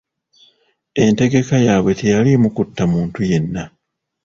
Entegeka yaabwe teyaliimu kutta muntu yenna.